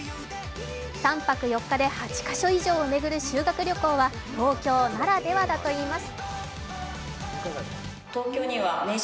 ３泊４日で８か所以上を巡る修学旅行は東京ならではだといいます。